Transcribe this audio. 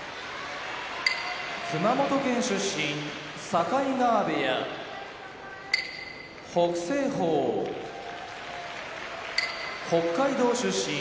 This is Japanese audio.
熊本県出身境川部屋北青鵬北海道出身